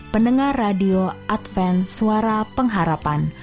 pendengar radio adven suara pengharapan